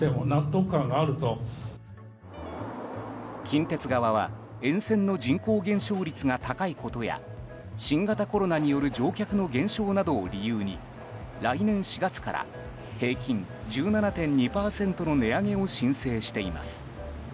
近鉄側は沿線の人口減少率が高いことや新型コロナによる乗客の減少などを理由に来年４月から平均１７．２％の値上げを申請しています。